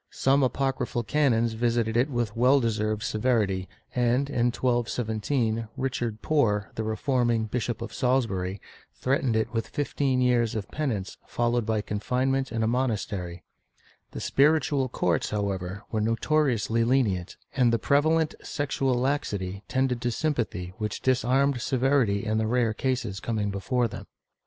Some apocryphal canons visited it with well deserved severity and, in 1217, Richard Poore, the reforming Bishop of SaUsbury, threatened it with fifteen years of penance followed by confinement in a monastery/ The spiritual courts, however, were notoriously lenient, and the prevalent sexual laxity tended to sympathy which disarmed severity in the rare cases coming before them.